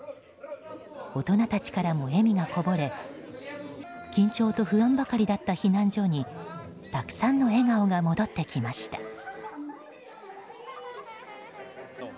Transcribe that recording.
大人たちからも笑みがこぼれ緊張と不安ばかりだった避難所にたくさんの笑顔が戻ってきました。